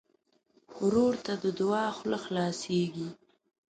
ورور ته د دعا خوله خلاصيږي.